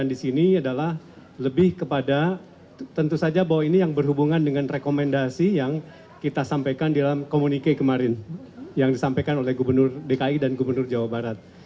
di sini adalah lebih kepada tentu saja bahwa ini yang berhubungan dengan rekomendasi yang kita sampaikan di dalam komunike kemarin yang disampaikan oleh gubernur dki dan gubernur jawa barat